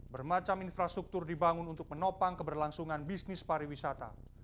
bermacam infrastruktur dibangun untuk menopang keberlangsungan bisnis pariwisata